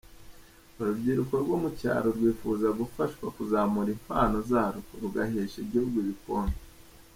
Urubyiruko rwo mu cyaro rwifuza gufashwa kuzamura impano zarwo rugahesha igihugu ibikombe.